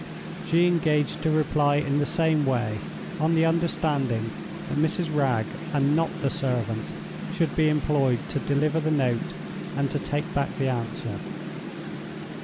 She engaged to reply in the same way, on the understanding that Mrs. Wragge, and not the servant, should be employed to deliver the note and to take back the answer.